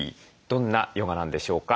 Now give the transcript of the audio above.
どんなヨガなんでしょうか。